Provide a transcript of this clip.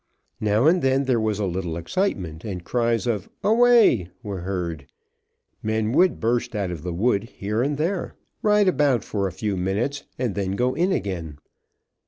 Now and then there was a little excitement, and cries of "away" were heard. Men would burst out of the wood here and there, ride about for a few minutes, and then go in again.